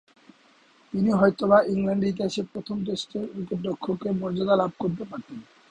তিনিই হয়তোবা ইংল্যান্ডের ইতিহাসের প্রথম টেস্টের উইকেট-রক্ষকের মর্যাদা লাভ করতে পারতেন।